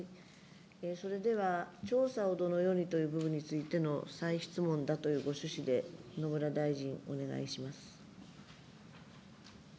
それでは、調査をどのようにという部分についての再質問だというご趣旨で、野村大臣、お願いします。